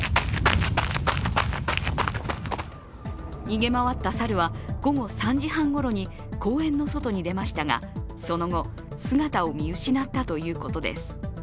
逃げ回った猿は午後３時半ごろに公園の外に出ましたがその後、姿を見失ったということです。